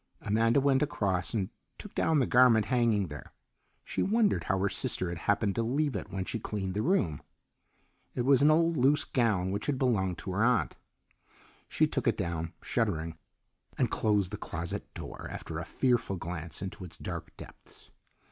Amanda went across and took down the garment hanging there. She wondered how her sister had happened to leave it when she cleaned the room. It was an old loose gown which had belonged to her aunt. She took it down, shuddering, and closed the closet door after a fearful glance into its dark depths.